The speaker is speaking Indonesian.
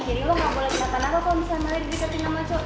jadi lo gak boleh cekan apa kalo bisa malah di deketin sama cowok